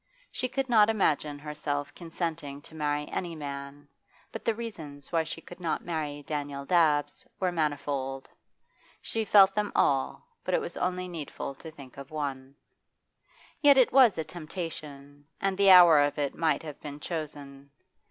She could not imagine herself consenting to marry any man, but the reasons why she could not marry Daniel Dabbs were manifold. She felt them all, but it was only needful to think of one. Yet it was a temptation, and the hour of it might have been chosen.